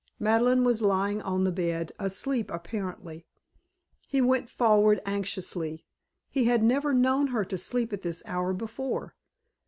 Madeleine was lying on the bed, asleep apparently. He went forward anxiously; he had never known her to sleep at this hour before.